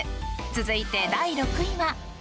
続いて第６位は。